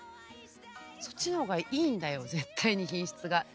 そっちの方がいいんだよ絶対に品質が。